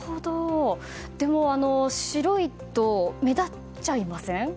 でも白いと目立っちゃいません？